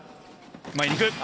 前に行く。